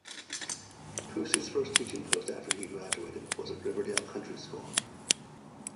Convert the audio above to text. Pusey's first teaching post after he graduated was at Riverdale Country School.